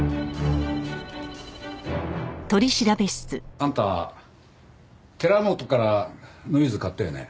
あんた寺本からノイズ買ったよね？